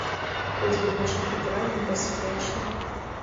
Подзвіг нашых ветэранаў бясспрэчны.